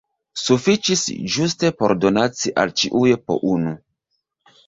Sufiĉis ĝuste por donaci al ĉiuj po unu.